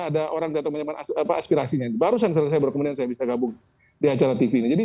ada orang datang menyampaikan aspirasinya barusan saya baru kemudian bisa gabung di acara tv ini